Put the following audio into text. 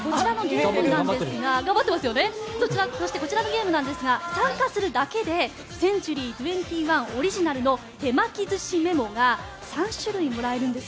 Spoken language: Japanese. そしてこちらのゲームなんですが参加するだけでセンチュリー２１オリジナルの手巻き寿司メモが３種類もらえるんです。